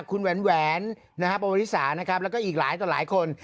คุณแหวนแหวนนะฮะประวัติศาสตร์นะครับแล้วก็อีกหลายต่อหลายคน